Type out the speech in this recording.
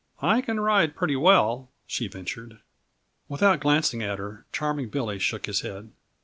"I can ride pretty well," she ventured. Without glancing at her, Charming Billy shook his head.